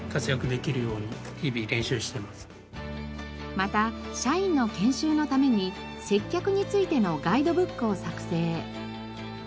また社員の研修のために接客についてのガイドブックを作成。